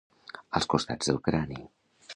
Als costats del crani